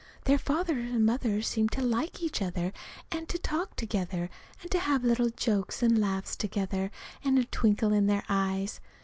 Their fathers and mothers seemed to like each other, and to talk together, and to have little jokes and laughs together, and twinkle with their eyes.